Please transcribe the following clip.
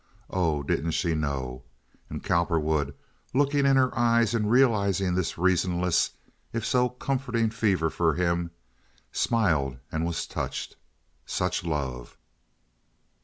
Oh, didn't she know! And Cowperwood, looking in her eyes and realizing this reasonless, if so comforting fever for him, smiled and was touched. Such love!